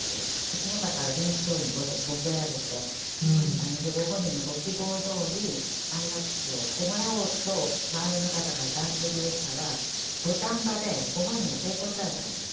その方順調にボケられてじゃあご本人のご希望どおり安楽死をしてもらおうと周りの方が段取りをしたら土壇場でご本人が抵抗されたんです。